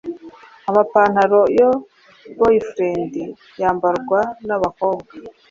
Amapantalo ya boyfriend yambarwa nabakobwa